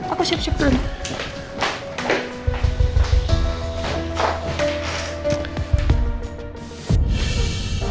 aku siap siap dulu